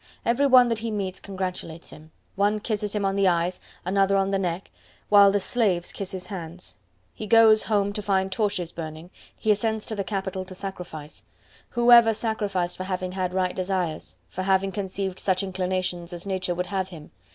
Every one that he meets congratulates him. One kisses him on the eyes, another on the neck, while the slaves kiss his hands. He goes home to find torches burning; he ascends to the Capitol to sacrifice.—Who ever sacrificed for having had right desires; for having conceived such inclinations as Nature would have him?